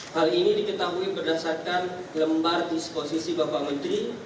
hal ini diketahui berdasarkan lembar disposisi bapak menteri